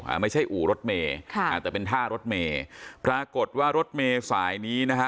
อ่าไม่ใช่อู่รถเมย์ค่ะอ่าแต่เป็นท่ารถเมย์ปรากฏว่ารถเมย์สายนี้นะฮะ